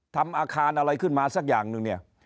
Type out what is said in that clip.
ทำอาคารอะไรขึ้นมาสักอย่างหนึ่งเนี่ย